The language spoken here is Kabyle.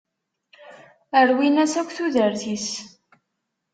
Rwin-as akk tudert-is.